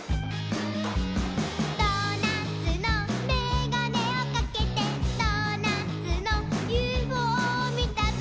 「ドーナツのメガネをかけてドーナツのＵＦＯみたぞ」